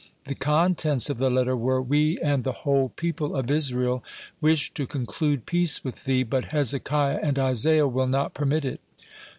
The contents of the letter were: "We and the whole people of Israel wish to conclude peace with thee, but Hezekiah and Isaiah will not permit it."